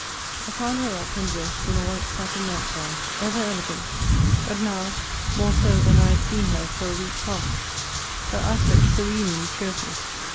I found her up, and dressed; in a white satin night gown. Ever elegant; but now more so than I had seen her for a week past: her aspect serenely cheerful.